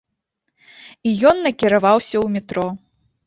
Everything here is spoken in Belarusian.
І ён накіраваўся ў метро.